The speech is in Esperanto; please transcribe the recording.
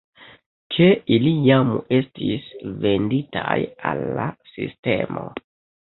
Ke ili jam estis "venditaj" al la sistemo.